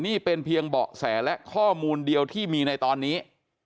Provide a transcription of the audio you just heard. นี่เป็นเพียงเบาะแสและข้อมูลเดียวที่มีในตอนนี้